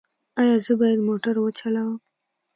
ایا زه باید موټر وچلوم؟